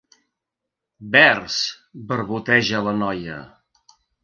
Vers, barboteja la noia.